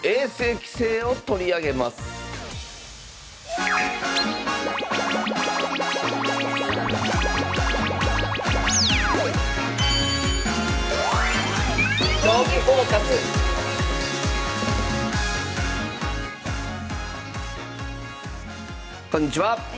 棋聖を取り上げますこんにちは。